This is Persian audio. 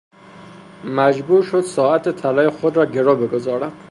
مجبور شد ساعت طلای خود را گرو بگذارد.